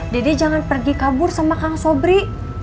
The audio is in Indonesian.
dede jangan pergi kabur sama kang sobri